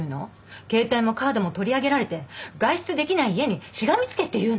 携帯もカードも取り上げられて外出できない家にしがみつけっていうの？